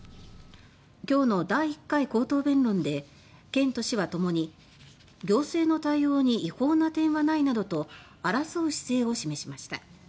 きょうの第１回口頭弁論で県と市はともに「行政の対応に違法な点はない」などと争う姿勢を示しました。